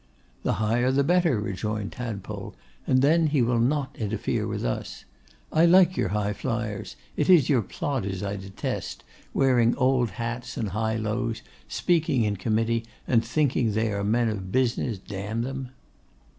'The higher the better,' rejoined Tadpole, 'and then he will not interfere with us. I like your high flyers; it is your plodders I detest, wearing old hats and high lows, speaking in committee, and thinking they are men of business: d n them!